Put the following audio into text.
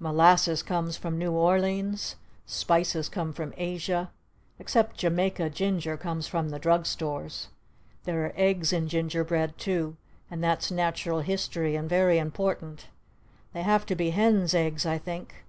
Molasses comes from New Orleans! Spices come from Asia! Except Jamaica Ginger comes from Drug Stores! There are eggs in ginger bread too! And that's Natural History and very important! They have to be hen's eggs I think!